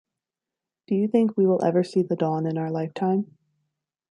Do you think we will ever see the dawn in our lifetime?